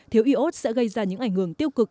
thiếu iốt sẽ gây ra những ảnh hưởng tiêu cực